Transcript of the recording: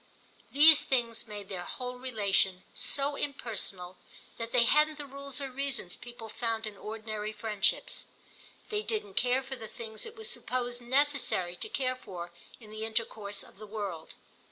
These things made their whole relation so impersonal that they hadn't the rules or reasons people found in ordinary friendships. They didn't care for the things it was supposed necessary to care for in the intercourse of the world.